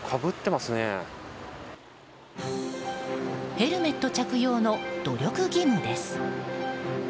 ヘルメット着用の努力義務です。